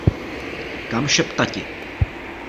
Kam šeptati?